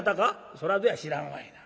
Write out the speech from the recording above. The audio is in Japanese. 「そらどや知らんわいな。